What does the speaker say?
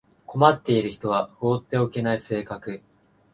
困っている人は放っておけない性格